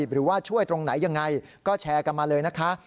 หรือว่าช่วยตรงไหนยังไงก็แชร์กันมาเลยนะคะ